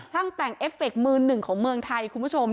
แต่งเอฟเฟคมือหนึ่งของเมืองไทยคุณผู้ชม